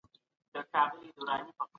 هغه کتابونه چي په کتابتون کې دي ډېر ګټور دي.